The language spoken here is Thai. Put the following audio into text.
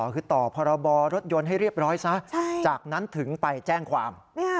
คือต่อพรบรถยนต์ให้เรียบร้อยซะจากนั้นถึงไปแจ้งความ